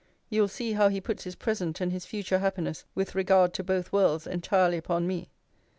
You will see how he puts his present and his future happiness, 'with regard to both worlds, entirely upon me.'